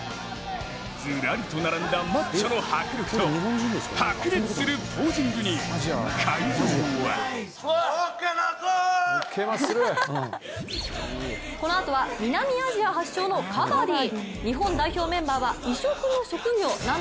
ずらりと並んだマッチョの迫力と白熱するポージングに会場はこのあとは、南アジア発祥のカバディ。